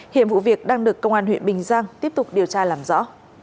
hiện vụ việc đang được công an huyện bình giang tiếp tục điều tra làm rõ